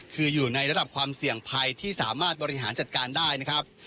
คืออยู่ในระดับความเสี่ยงภัยที่สามารถบริหารจัดการได้นะครับ